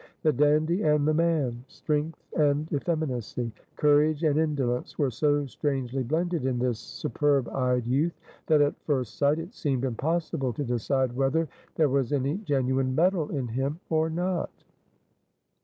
The dandy and the man; strength and effeminacy; courage and indolence, were so strangely blended in this superb eyed youth, that at first sight, it seemed impossible to decide whether there was any genuine mettle in him, or not.